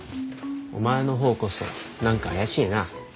お前の方こそ何か怪しいな。